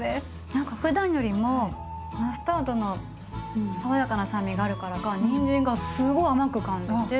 何かふだんよりもマスタードの爽やかな酸味があるからかにんじんがすごい甘く感じて。